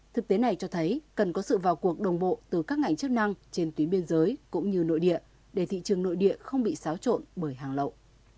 thực tế này cho thấy cần có sự vào cuộc đồng bộ từ các ngành chức năng trên tuyến biên giới cũng như nội địa để thị trường nội địa không bị xáo trộn bởi hàng lậu